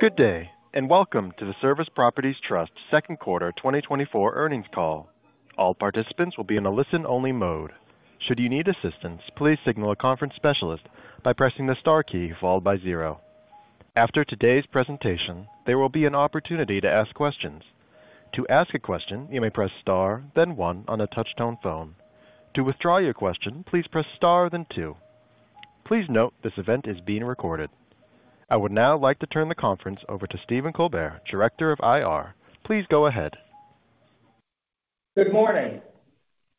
Good day, and welcome to the Service Properties Trust second quarter 2024 earnings call. All participants will be in a listen-only mode. Should you need assistance, please signal a conference specialist by pressing the star key, followed by 0. After today's presentation, there will be an opportunity to ask questions. To ask a question, you may press star, then 1 on a touch-tone phone. To withdraw your question, please press star then 2. Please note, this event is being recorded. I would now like to turn the conference over to Stephen Colbert, Director of IR. Please go ahead. Good morning.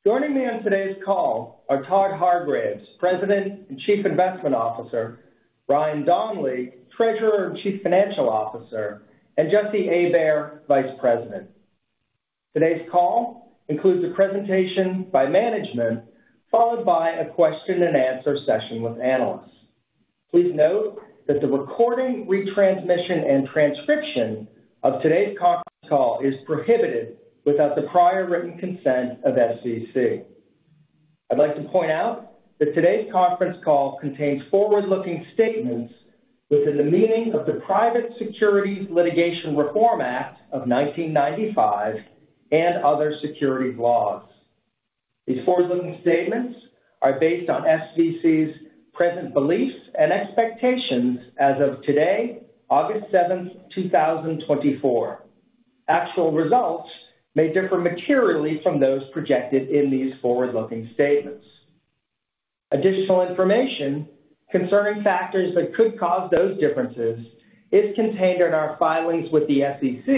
Joining me on today's call are Todd Hargreaves, President and Chief Investment Officer, Brian Donley, Treasurer and Chief Financial Officer, and Jesse Hebert, Vice President. Today's call includes a presentation by management, followed by a question and answer session with analysts. Please note that the recording, retransmission, and transcription of today's conference call is prohibited without the prior written consent of SVC. I'd like to point out that today's conference call contains forward-looking statements within the meaning of the Private Securities Litigation Reform Act of 1995 and other securities laws. These forward-looking statements are based on SVC's present beliefs and expectations as of today, August 7, 2024. Actual results may differ materially from those projected in these forward-looking statements. Additional information concerning factors that could cause those differences is contained in our filings with the SEC,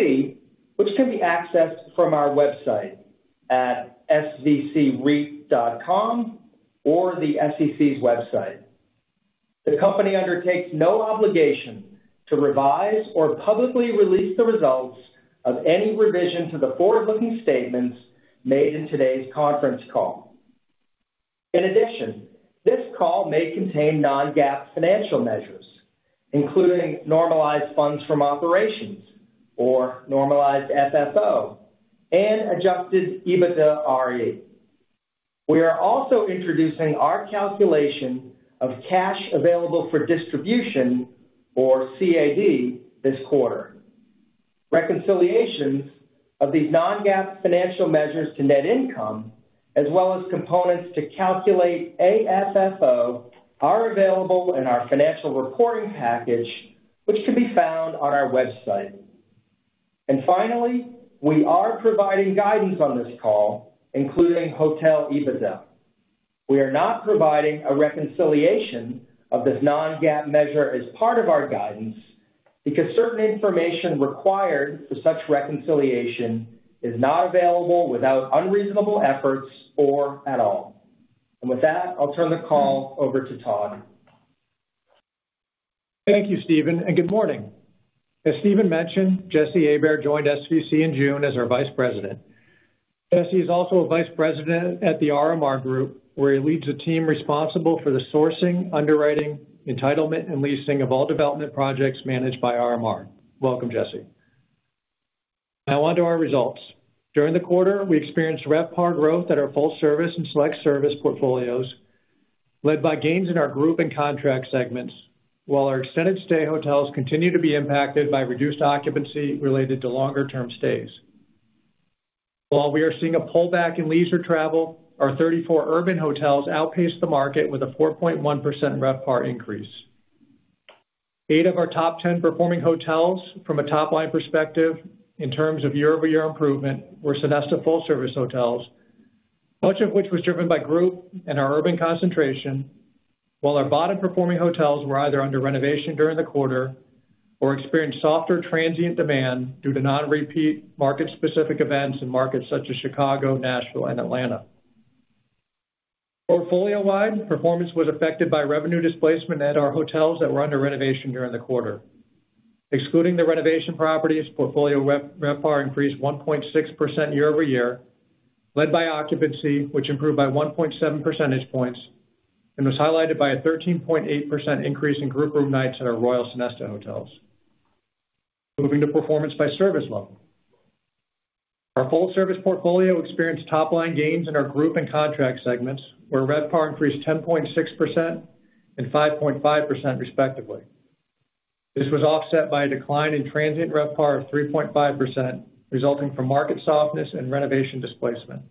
which can be accessed from our website at svcreit.com or the SEC's website. The company undertakes no obligation to revise or publicly release the results of any revision to the forward-looking statements made in today's conference call. In addition, this call may contain non-GAAP financial measures, including normalized funds from operations, or normalized FFO, and adjusted EBITDARE. We are also introducing our calculation of cash available for distribution or CAD this quarter. Reconciliations of these non-GAAP financial measures to net income, as well as components to calculate AFFO, are available in our financial reporting package, which can be found on our website. Finally, we are providing guidance on this call, including hotel EBITDA. We are not providing a reconciliation of this non-GAAP measure as part of our guidance, because certain information required for such reconciliation is not available without unreasonable efforts or at all. With that, I'll turn the call over to Todd. Thank you, Stephen, and good morning. As Stephen mentioned, Jesse Hebert joined SVC in June as our vice president. Jesse is also a vice president at the RMR Group, where he leads a team responsible for the sourcing, underwriting, entitlement, and leasing of all development projects managed by RMR. Welcome, Jesse. Now on to our results. During the quarter, we experienced RevPAR growth at our full service and select service portfolios, led by gains in our group and contract segments, while our extended stay hotels continue to be impacted by reduced occupancy related to longer-term stays. While we are seeing a pullback in leisure travel, our 34 urban hotels outpaced the market with a 4.1% RevPAR increase. Eight of our top 10 performing hotels from a top-line perspective in terms of year-over-year improvement were Sonesta full-service hotels, much of which was driven by group and our urban concentration, while our bottom-performing hotels were either under renovation during the quarter or experienced softer transient demand due to non-repeat, market-specific events in markets such as Chicago, Nashville, and Atlanta. Portfolio-wide, performance was affected by revenue displacement at our hotels that were under renovation during the quarter. Excluding the renovation properties, portfolio RevPAR increased 1.6% year-over-year, led by occupancy, which improved by 1.7 percentage points and was highlighted by a 13.8% increase in group room nights at our Royal Sonesta hotels. Moving to performance by service level. Our full service portfolio experienced top-line gains in our group and contract segments, where RevPAR increased 10.6% and 5.5%, respectively. This was offset by a decline in transient RevPAR of 3.5%, resulting from market softness and renovation displacement.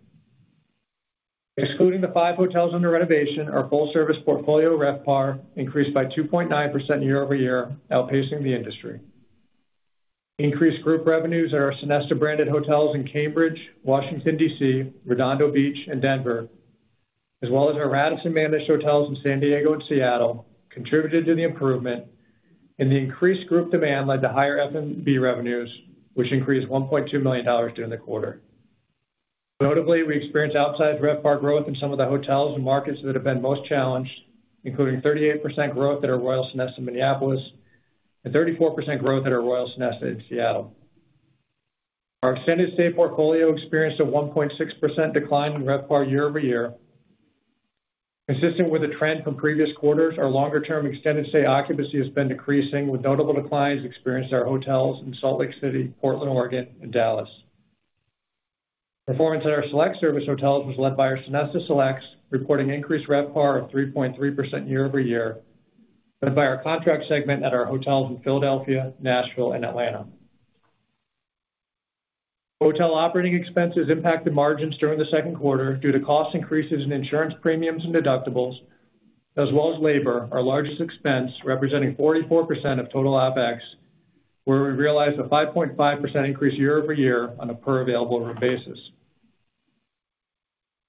Excluding the 5 hotels under renovation, our full service portfolio RevPAR increased by 2.9% year-over-year, outpacing the industry. Increased group revenues at our Sonesta-branded hotels in Cambridge, Washington, DC, Redondo Beach, and Denver, as well as our Radisson-managed hotels in San Diego and Seattle, contributed to the improvement, and the increased group demand led to higher F&B revenues, which increased $1.2 million during the quarter. Notably, we experienced outsized RevPAR growth in some of the hotels and markets that have been most challenged, including 38% growth at our Royal Sonesta in Minneapolis and 34% growth at our Royal Sonesta in Seattle. Our extended stay portfolio experienced a 1.6% decline in RevPAR year-over-year. Consistent with the trend from previous quarters, our longer-term extended stay occupancy has been decreasing, with notable declines experienced at our hotels in Salt Lake City, Portland, Oregon, and Dallas. Performance at our select service hotels was led by our Sonesta Selects, reporting increased RevPAR of 3.3% year-over-year, led by our contract segment at our hotels in Philadelphia, Nashville and Atlanta. Hotel operating expenses impacted margins during the second quarter due to cost increases in insurance premiums and deductibles, as well as labor, our largest expense, representing 44% of total OpEx, where we realized a 5.5% increase year-over-year on a per available room basis.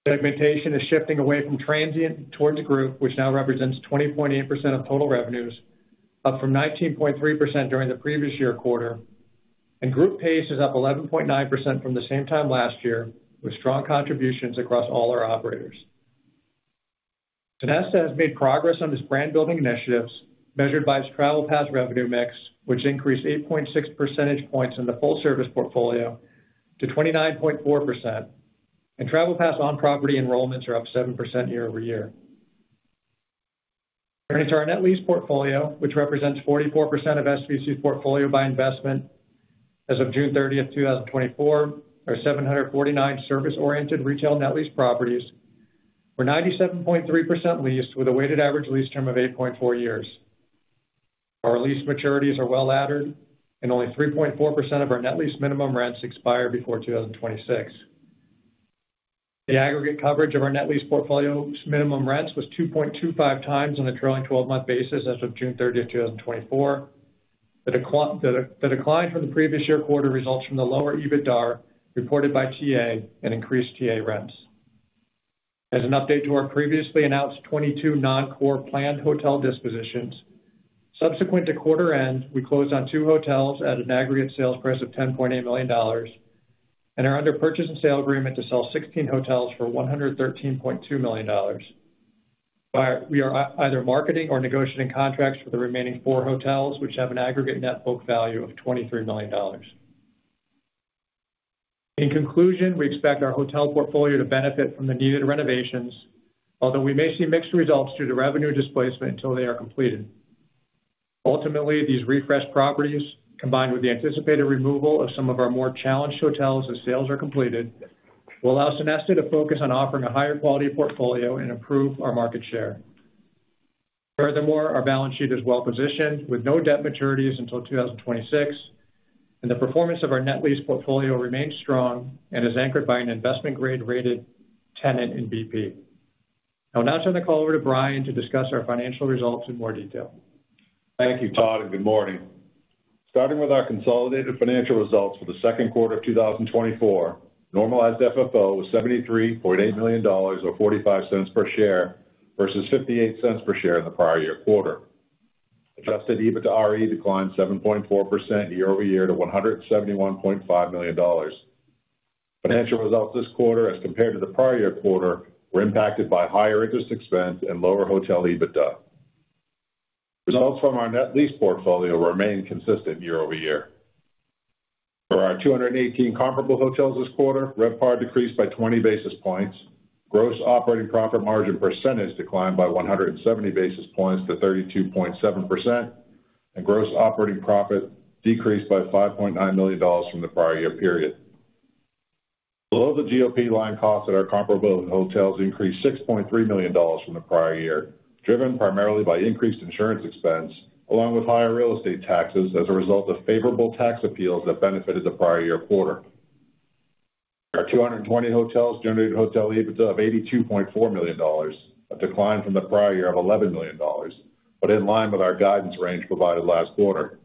Segmentation is shifting away from transient towards group, which now represents 20.8% of total revenues, up from 19.3% during the previous year quarter, and group pace is up 11.9% from the same time last year, with strong contributions across all our operators. Sonesta has made progress on its brand building initiatives, measured by its Travel Pass revenue mix, which increased 8.6 percentage points in the full service portfolio to 29.4%, and TravelPass on-property enrollments are up 7% year-over-year. Turning to our net lease portfolio, which represents 44% of SVC's portfolio by investment. As of June 30, 2024, our 749 service-oriented retail net lease properties were 97.3% leased, with a weighted average lease term of 8.4 years. Our lease maturities are well laddered, and only 3.4% of our net lease minimum rents expire before 2026. The aggregate coverage of our net lease portfolio's minimum rents was 2.25 times on a trailing twelve-month basis as of June 30, 2024. The decline from the previous year quarter results from the lower EBITDA reported by TA and increased TA rents. As an update to our previously announced 22 non-core planned hotel dispositions, subsequent to quarter end, we closed on two hotels at an aggregate sales price of $10.8 million, and are under purchase and sale agreement to sell 16 hotels for $113.2 million. We are either marketing or negotiating contracts for the remaining four hotels, which have an aggregate net book value of $23 million. In conclusion, we expect our hotel portfolio to benefit from the needed renovations, although we may see mixed results due to revenue displacement until they are completed. Ultimately, these refreshed properties, combined with the anticipated removal of some of our more challenged hotels as sales are completed, will allow Sonesta to focus on offering a higher quality portfolio and improve our market share. Furthermore, our balance sheet is well positioned, with no debt maturities until 2026, and the performance of our net lease portfolio remains strong and is anchored by an investment grade-rated tenant in BP. I'll now turn the call over to Brian to discuss our financial results in more detail. Thank you, Todd, and good morning. Starting with our consolidated financial results for the second quarter of 2024, Normalized FFO was $73.8 million, or $0.45 per share, versus $0.58 per share in the prior year quarter. Adjusted EBITDARE declined 7.4% year-over-year to $171.5 million. Financial results this quarter, as compared to the prior year quarter, were impacted by higher interest expense and lower Hotel EBITDA. Results from our net lease portfolio remained consistent year-over-year. For our 218 comparable hotels this quarter, RevPAR decreased by 20 basis points. Gross operating profit margin percentage declined by 170 basis points to 32.7%, and gross operating profit decreased by $5.9 million from the prior year period. Below the GOP line, costs at our comparable hotels increased $6.3 million from the prior year, driven primarily by increased insurance expense, along with higher real estate taxes as a result of favorable tax appeals that benefited the prior year quarter. Our 220 hotels generated Hotel EBITDA of $82.4 million, a decline from the prior year of $11 million, but in line with our guidance range provided last quarter.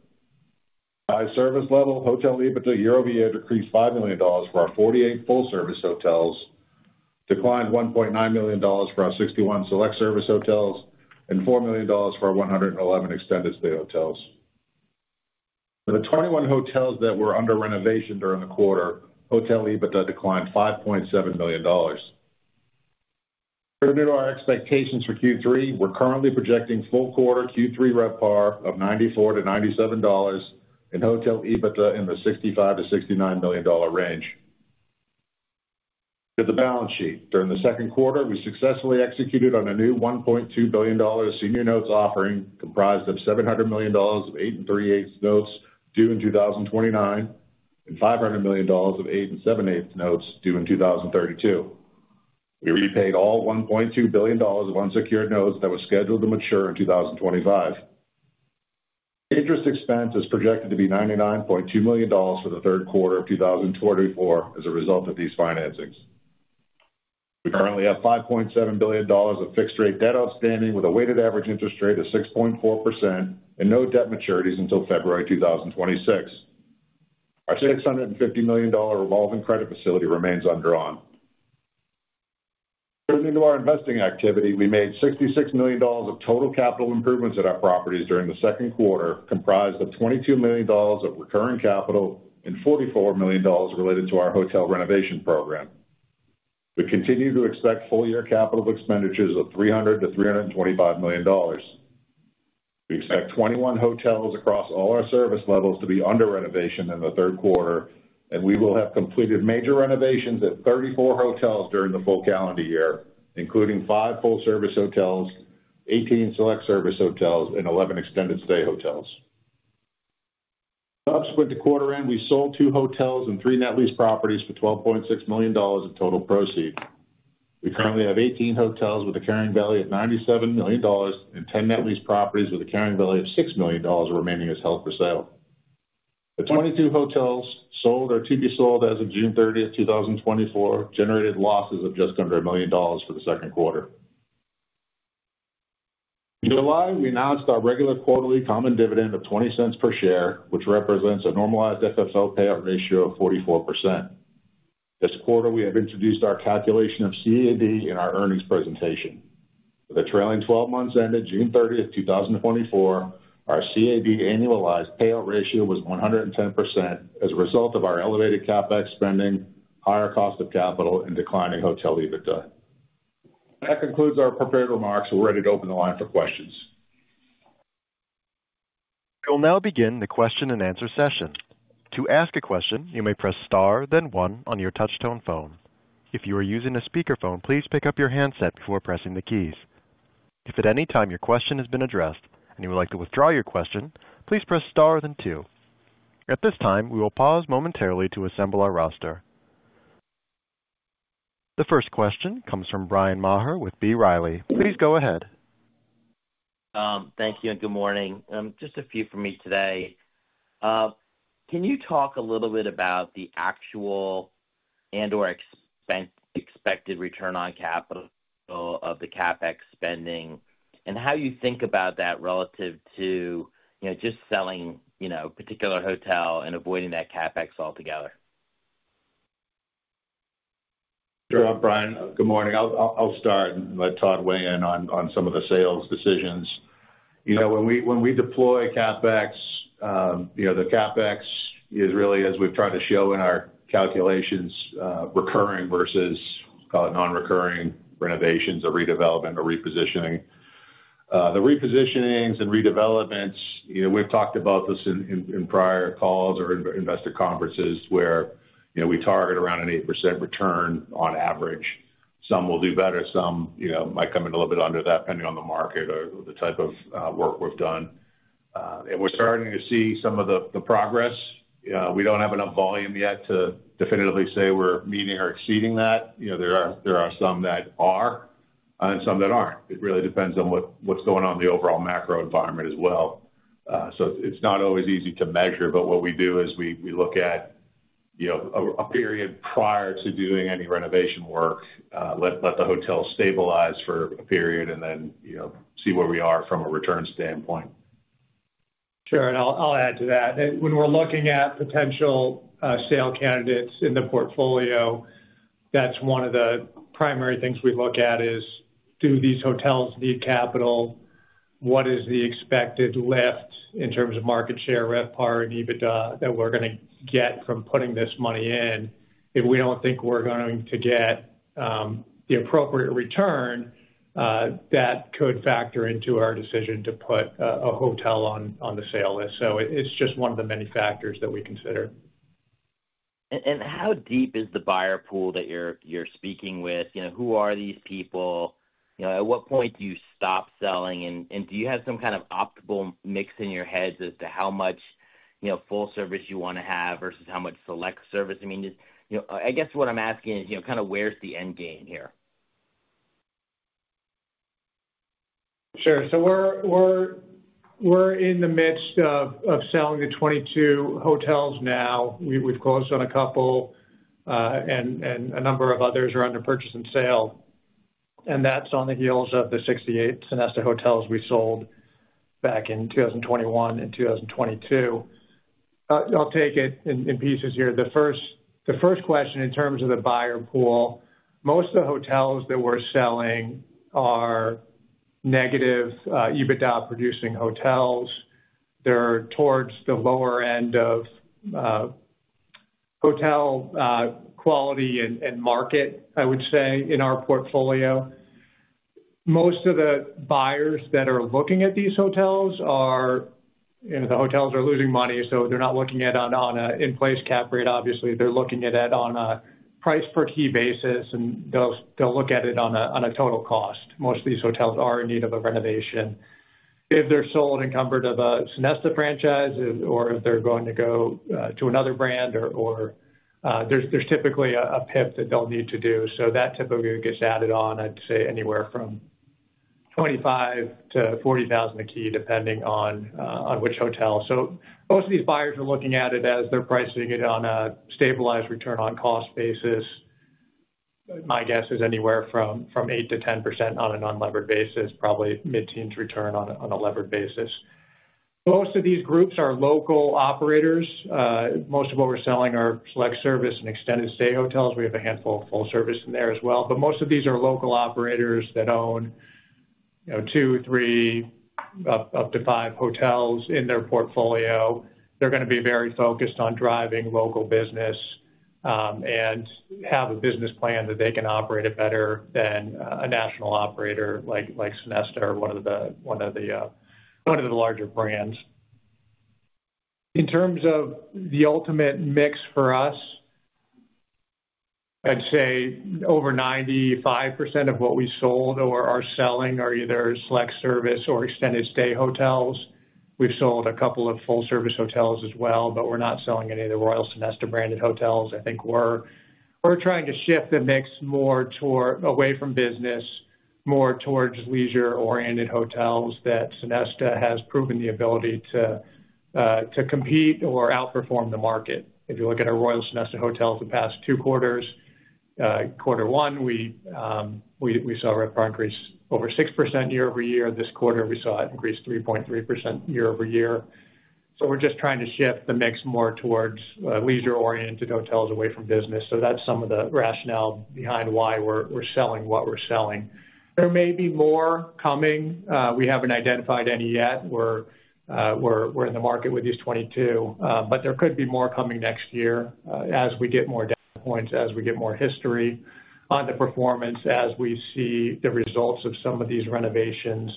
By service level, Hotel EBITDA year-over-year decreased $5 million for our 48 full service hotels, declined $1.9 million for our 61 select service hotels, and $4 million for our 111 extended stay hotels. For the 21 hotels that were under renovation during the quarter, Hotel EBITDA declined $5.7 million. Turning to our expectations for Q3, we're currently projecting full quarter Q3 RevPAR of $94-$97, and hotel EBITDA in the $65 million-$69 million range. To the balance sheet. During the second quarter, we successfully executed on a new $1.2 billion senior notes offering, comprised of $700 million of 8 3/8 notes, due in 2029, and $500 million of 8 7/8 notes, due in 2032. We repaid all $1.2 billion of unsecured notes that were scheduled to mature in 2025. Interest expense is projected to be $99.2 million for the third quarter of 2024 as a result of these financings. We currently have $5.7 billion of fixed rate debt outstanding, with a weighted average interest rate of 6.4% and no debt maturities until February 2026. Our $650 million revolving credit facility remains undrawn. Turning to our investing activity, we made $66 million of total capital improvements at our properties during the second quarter, comprised of $22 million of recurring capital and $44 million related to our hotel renovation program. We continue to expect full-year capital expenditures of $300 million-$325 million. We expect 21 hotels across all our service levels to be under renovation in the third quarter, and we will have completed major renovations at 34 hotels during the full calendar year, including 5 full service hotels, 18 select service hotels, and 11 extended stay hotels.... Subsequent to quarter end, we sold two hotels and three net lease properties for $12.6 million of total proceeds. We currently have 18 hotels with a carrying value of $97 million and 10 net lease properties with a carrying value of $6 million remaining as held for sale. The 22 hotels sold or to be sold as of June 30, 2024, generated losses of just under $1 million for the second quarter. In July, we announced our regular quarterly common dividend of $0.20 per share, which represents a normalized FFO payout ratio of 44%. This quarter, we have introduced our calculation of CAD in our earnings presentation. For the trailing twelve months ended June 30th, 2024, our CAD annualized payout ratio was 110% as a result of our elevated CapEx spending, higher cost of capital, and declining hotel EBITDA. That concludes our prepared remarks. We're ready to open the line for questions. We'll now begin the question-and-answer session. To ask a question, you may press star, then one on your touchtone phone. If you are using a speakerphone, please pick up your handset before pressing the keys. If at any time your question has been addressed and you would like to withdraw your question, please press star, then two. At this time, we will pause momentarily to assemble our roster. The first question comes from Bryan Maher with B. Riley. Please go ahead. Thank you, and good morning. Just a few from me today. Can you talk a little bit about the actual and/or expected return on capital of the CapEx spending, and how you think about that relative to, you know, just selling, you know, a particular hotel and avoiding that CapEx altogether? Sure, Brian, good morning. I'll start and let Todd weigh in on some of the sales decisions. You know, when we deploy CapEx, you know, the CapEx is really, as we've tried to show in our calculations, recurring versus non-recurring renovations or redevelopment or repositioning. The repositionings and redevelopments, you know, we've talked about this in prior calls or in investor conferences where, you know, we target around an 8% return on average. Some will do better, some, you know, might come in a little bit under that, depending on the market or the type of work we've done. And we're starting to see some of the progress. We don't have enough volume yet to definitively say we're meeting or exceeding that. You know, there are some that are, and some that aren't. It really depends on what's going on in the overall macro environment as well. So it's not always easy to measure, but what we do is we look at, you know, a period prior to doing any renovation work, let the hotel stabilize for a period and then, you know, see where we are from a return standpoint. Sure, and I'll add to that. When we're looking at potential sale candidates in the portfolio, that's one of the primary things we look at is: Do these hotels need capital? What is the expected lift in terms of market share, RevPAR, and EBITDA that we're gonna get from putting this money in? If we don't think we're going to get the appropriate return, that could factor into our decision to put a hotel on the sale list. So it's just one of the many factors that we consider. How deep is the buyer pool that you're speaking with? You know, who are these people? You know, at what point do you stop selling, and do you have some kind of optimal mix in your heads as to how much, you know, full service you want to have versus how much select service? I mean, just, you know, I guess what I'm asking is, you know, kind of where's the end game here? Sure. So we're in the midst of selling the 22 hotels now. We've closed on a couple, and a number of others are under purchase and sale, and that's on the heels of the 68 Sonesta hotels we sold back in 2021 and 2022. I'll take it in pieces here. The first question, in terms of the buyer pool, most of the hotels that we're selling are negative EBITDA-producing hotels. They're towards the lower end of hotel quality and market, I would say, in our portfolio. Most of the buyers that are looking at these hotels are... You know, the hotels are losing money, so they're not looking at it on a in-place cap rate obviously. They're looking at it on a price per key basis, and they'll, they'll look at it on a, on a total cost. Most of these hotels are in need of a renovation. If they're sold encumbered of a Sonesta franchise or if they're going to go to another brand or, or, there's, there's typically a, a PIP that they'll need to do. So that typically gets added on, I'd say, anywhere from $25,000-$40,000 a key, depending on which hotel. So most of these buyers are looking at it as they're pricing it on a stabilized return on cost basis. My guess is anywhere from 8%-10% on an unlevered basis, probably mid-teens return on a, on a levered basis. Most of these groups are local operators. Most of what we're selling are select service and extended stay hotels. We have a handful of full service in there as well, but most of these are local operators that own, you know, 2, 3, up to 5 hotels in their portfolio. They're gonna be very focused on driving local business, and have a business plan that they can operate it better than a national operator like Sonesta or one of the larger brands. In terms of the ultimate mix for us. I'd say over 95% of what we sold or are selling are either select service or extended stay hotels. We've sold a couple of full-service hotels as well, but we're not selling any of the Royal Sonesta branded hotels. I think we're trying to shift the mix more toward away from business, more towards leisure-oriented hotels, that Sonesta has proven the ability to to compete or outperform the market. If you look at our Royal Sonesta hotels the past two quarters, quarter one, we saw RevPAR increase over 6% year-over-year. This quarter, we saw it increase 3.3% year-over-year. So we're just trying to shift the mix more towards leisure-oriented hotels away from business. So that's some of the rationale behind why we're selling what we're selling. There may be more coming. We haven't identified any yet. We're in the market with these 22, but there could be more coming next year, as we get more data points, as we get more history on the performance, as we see the results of some of these renovations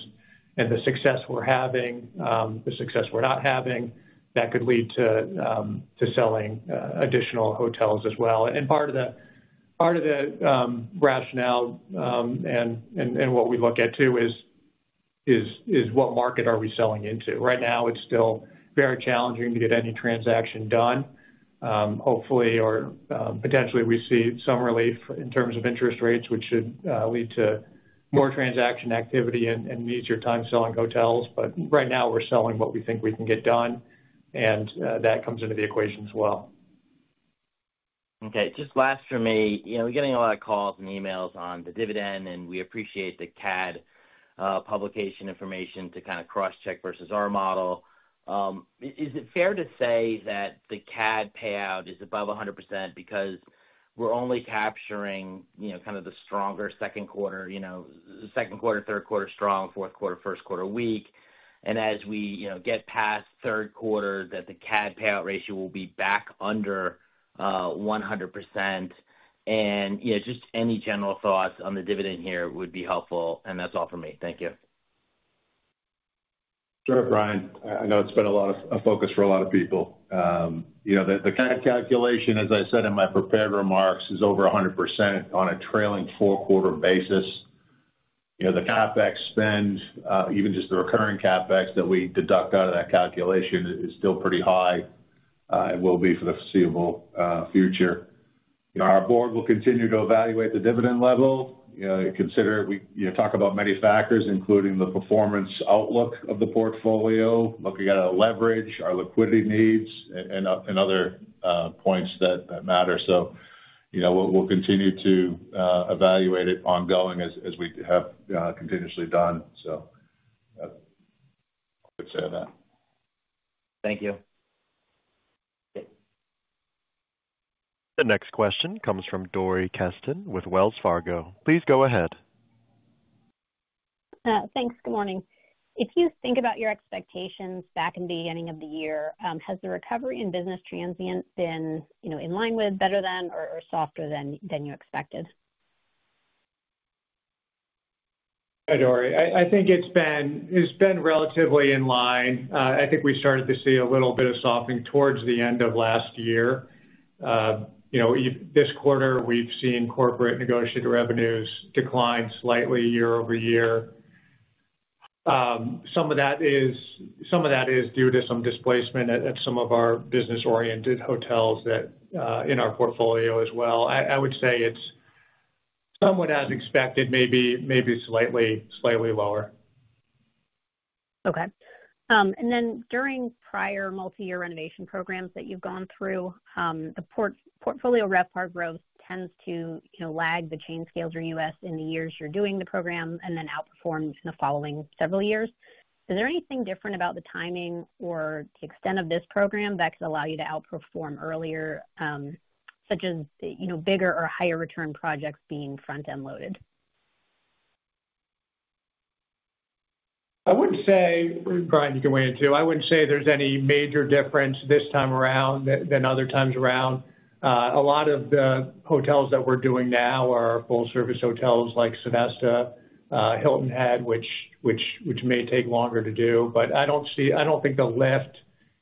and the success we're having, the success we're not having, that could lead to selling additional hotels as well. And part of the rationale, and what we look at, too, is what market are we selling into? Right now, it's still very challenging to get any transaction done. Hopefully or potentially we see some relief in terms of interest rates, which should lead to more transaction activity and easier time selling hotels. But right now, we're selling what we think we can get done, and that comes into the equation as well. Okay, just last for me. You know, we're getting a lot of calls and emails on the dividend, and we appreciate the CAD publication information to kind of cross-check versus our model. Is it fair to say that the CAD payout is above 100% because we're only capturing, you know, kind of the stronger second quarter, you know, second quarter, third quarter, strong, fourth quarter, first quarter, weak? And as we, you know, get past third quarter, that the CAD payout ratio will be back under 100%? And, yeah, just any general thoughts on the dividend here would be helpful, and that's all for me. Thank you. Sure, Brian. I know it's been a lot of, a focus for a lot of people. You know, the, the CAD calculation, as I said in my prepared remarks, is over 100% on a trailing four-quarter basis. You know, the CapEx spend, even just the recurring CapEx that we deduct out of that calculation is still pretty high, and will be for the foreseeable, future. Our board will continue to evaluate the dividend level, you know, consider... We, you know, talk about many factors, including the performance outlook of the portfolio, looking at our leverage, our liquidity needs, and, and other, points that, that matter. So, you know, we'll, we'll continue to, evaluate it ongoing as, as we have, continuously done. So I would say that. Thank you. The next question comes from Dori Kesten with Wells Fargo. Please go ahead. Thanks. Good morning. If you think about your expectations back in the beginning of the year, has the recovery in business transient been, you know, in line with, better than, or softer than, than you expected? Hi, Dori. I think it's been relatively in line. I think we started to see a little bit of softening towards the end of last year. You know, this quarter, we've seen corporate negotiated revenues decline slightly year-over-year. Some of that is due to some displacement at some of our business-oriented hotels that in our portfolio as well. I would say it's somewhat as expected, maybe slightly lower. Okay. And then during prior multiyear renovation programs that you've gone through, the portfolio RevPAR growth tends to, you know, lag the chain scales or U.S. in the years you're doing the program and then outperforms in the following several years. Is there anything different about the timing or the extent of this program that could allow you to outperform earlier, such as, you know, bigger or higher return projects being front-end loaded? I wouldn't say... Brian, you can weigh in, too. I wouldn't say there's any major difference this time around than other times around. A lot of the hotels that we're doing now are full-service hotels like Sonesta Hilton Head, which may take longer to do, but I don't see-- I don't think the lift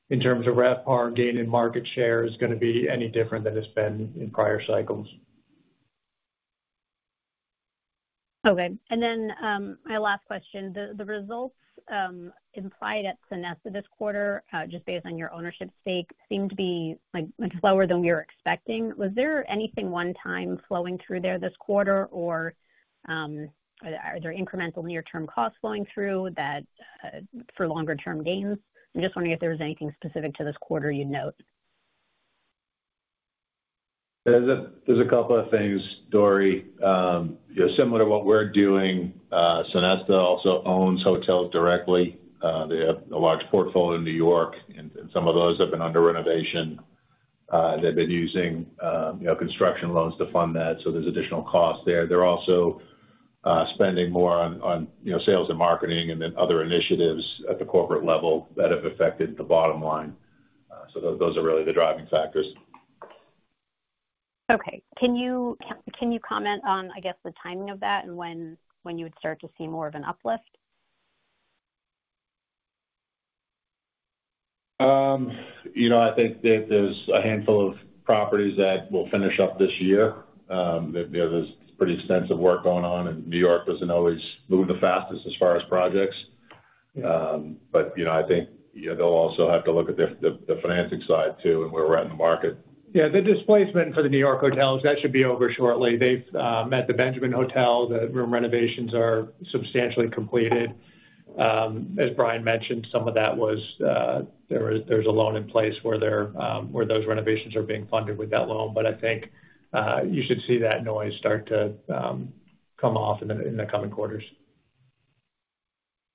in terms of RevPAR gain and market share is gonna be any different than it's been in prior cycles. Okay. And then my last question: The results implied at Sonesta this quarter, just based on your ownership stake, seemed to be, like, much lower than you're expecting. Was there anything one time flowing through there this quarter, or are there incremental near-term costs flowing through that for longer-term gains? I'm just wondering if there was anything specific to this quarter you'd note. There's a couple of things, Dori. Similar to what we're doing, Sonesta also owns hotels directly. They have a large portfolio in New York, and some of those have been under renovation. They've been using, you know, construction loans to fund that, so there's additional costs there. They're also spending more on, you know, sales and marketing and then other initiatives at the corporate level that have affected the bottom line. So those are really the driving factors. Okay. Can you comment on, I guess, the timing of that and when you would start to see more of an uplift?... You know, I think that there's a handful of properties that will finish up this year. There was pretty extensive work going on, and New York doesn't always move the fastest as far as projects. But, you know, I think, you know, they'll also have to look at the financing side, too, and where we're at in the market. Yeah, the displacement for the New York hotels, that should be over shortly. They've... At the Benjamin Hotel, the room renovations are substantially completed. As Brian mentioned, some of that was, there's a loan in place where those renovations are being funded with that loan. But I think, you should see that noise start to come off in the coming quarters.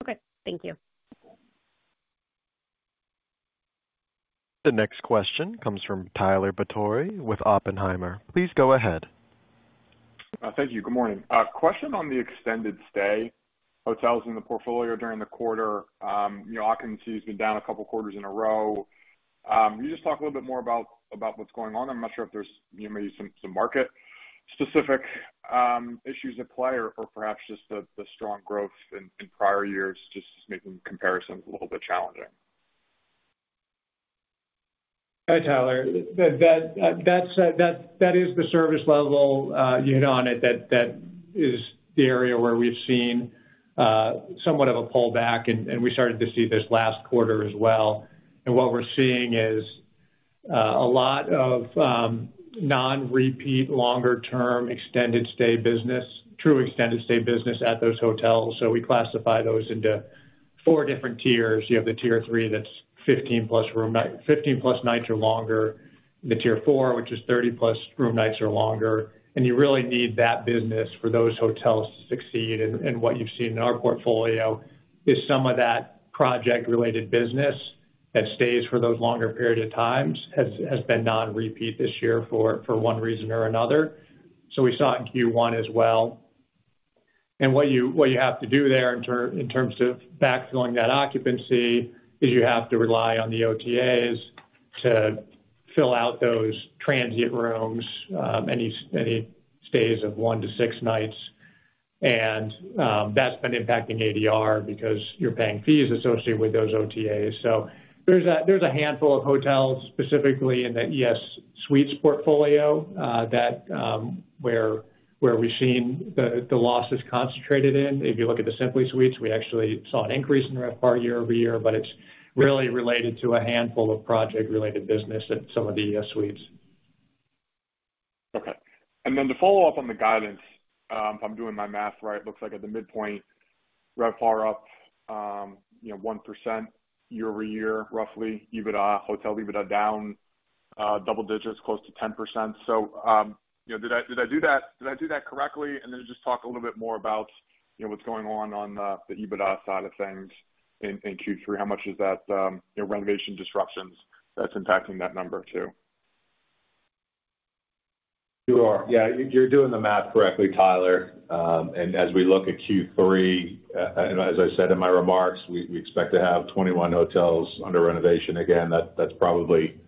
Okay. Thank you. The next question comes from Tyler Batory with Oppenheimer. Please go ahead. Thank you. Good morning. A question on the extended stay hotels in the portfolio during the quarter. You know, occupancy's been down a couple quarters in a row. Can you just talk a little bit more about, about what's going on? I'm not sure if there's, you know, maybe some, some market specific, issues at play or, or perhaps just the, the strong growth in, in prior years just making comparisons a little bit challenging. Hi, Tyler. That's the service level you hit on it, that is the area where we've seen somewhat of a pullback, and we started to see this last quarter as well. And what we're seeing is a lot of non-repeat, longer term, extended stay business, true extended stay business at those hotels. So we classify those into four different tiers. You have the tier three, that's 15-plus nights or longer, the tier four, which is 30-plus room nights or longer, and you really need that business for those hotels to succeed. And what you've seen in our portfolio is some of that project-related business that stays for those longer period of times has been non-repeat this year for one reason or another, so we saw it in Q1 as well. And what you, what you have to do there in terms of backfilling that occupancy is you have to rely on the OTAs to fill out those transient rooms, any stays of 1-6 nights. And, that's been impacting ADR because you're paying fees associated with those OTAs. So there's a handful of hotels, specifically in the ES Suites portfolio, that where we've seen the losses concentrated in. If you look at the Simply Suites, we actually saw an increase in RevPAR year-over-year, but it's really related to a handful of project-related business at some of the suites. Okay. Then to follow up on the guidance, if I'm doing my math right, it looks like at the midpoint, RevPAR up, you know, 1% year-over-year, roughly. EBITDA, hotel EBITDA down, double digits, close to 10%. So, you know, did I do that correctly? And then just talk a little bit more about, you know, what's going on, on the EBITDA side of things in Q3. How much is that, you know, renovation disruptions that's impacting that number, too? You are. Yeah, you're doing the math correctly, Tyler. And as we look at Q3, and as I said in my remarks, we expect to have 21 hotels under renovation. Again, that's probably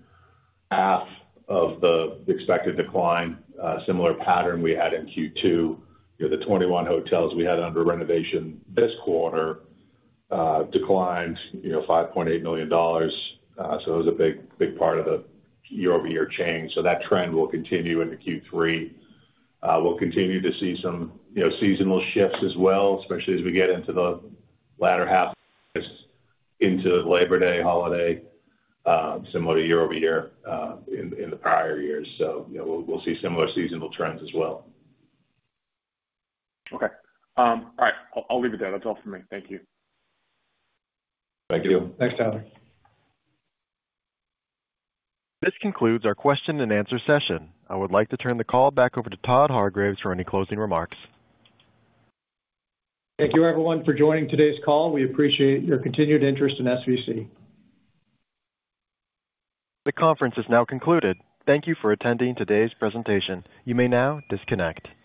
half of the expected decline, similar pattern we had in Q2. You know, the 21 hotels we had under renovation this quarter, declined, you know, $5.8 million. So it was a big, big part of the year-over-year change. So that trend will continue into Q3. We'll continue to see some, you know, seasonal shifts as well, especially as we get into the latter half into Labor Day holiday, similar to year-over-year, in the prior years. So, you know, we'll see similar seasonal trends as well. Okay. All right. I'll leave it there. That's all for me. Thank you. Thank you. Thanks, Tyler. This concludes our question and answer session. I would like to turn the call back over to Todd Hargreaves for any closing remarks. Thank you, everyone, for joining today's call. We appreciate your continued interest in SVC. The conference is now concluded. Thank you for attending today's presentation. You may now disconnect.